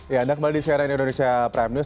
ya anda kembali di cnn indonesia prime news